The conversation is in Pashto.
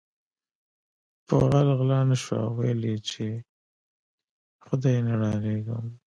په غل غلا نشوه ویل یی چې ی خدای نه ډاریږم